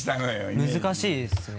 難しいですね。